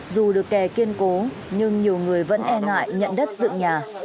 dù được kè kiên cố nhưng nhiều người vẫn e ngại nhận đất dựng nhà